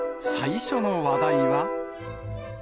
最初の話題は。